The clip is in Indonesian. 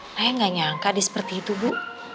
saya nggak nyangka dia seperti itu bu